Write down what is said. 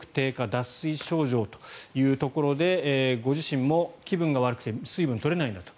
脱水症状というところでご自身も気分が悪くて水分が取れないんだと。